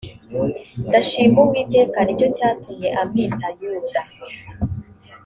ndashima uwiteka ni cyo cyatumye amwita yuda